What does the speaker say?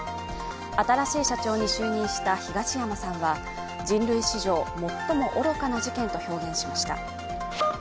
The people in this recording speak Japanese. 新しい社長に就任した東山さんは人類史上最も愚かな事件と表現しました。